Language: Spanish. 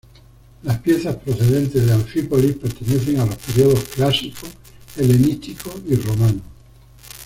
Las piezas procedentes de Anfípolis pertenecen a los periodos clásico, helenístico y romano.